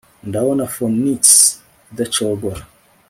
ndabona phoenix idacogora